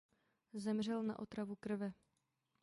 Zemřel na otravu krve.